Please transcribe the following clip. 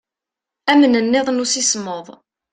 Amnenniḍ n usismeḍ.